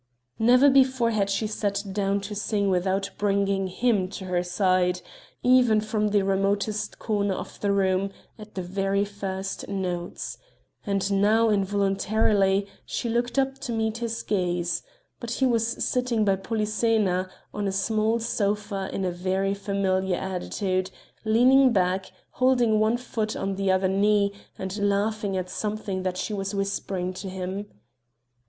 Never before had she sat down to sing without bringing him to her side, even from the remotest corner of the room, at the very first notes; and now, involuntarily, she looked up to meet his gaze but he was sitting by Polyxena, on a small sofa, in a very familiar attitude, leaning back, holding one foot on the other knee, and laughing at something that she was whispering to him.